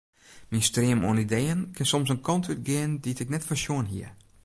Myn stream oan ideeën kin soms in kant útgean dy't ik net foarsjoen hie.